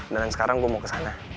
dan sekarang gue mau ke sana